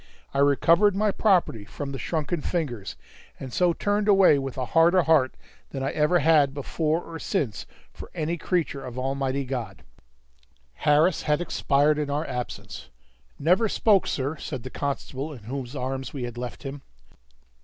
I recovered my property from the shrunken fingers, and so turned away with a harder heart than I ever had before or since for any creature of Almighty God. Harris had expired in our absence. "Never spoke, sir," said the constable in whose arms we had left him.